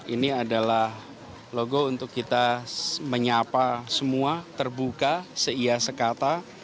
ini adalah logo untuk kita menyapa semua terbuka seia sekata